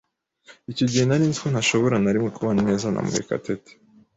Icyo gihe nari nzi ko ntashobora na rimwe kubana neza na Murekatete.